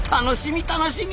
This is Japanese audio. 楽しみ！